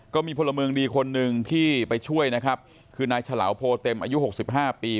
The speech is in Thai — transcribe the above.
ก็มีพลเมืองดีคนหนึ่งที่ไปช่วยนะครับคือนายฉลาวโพเต็มอายุหกสิบห้าปี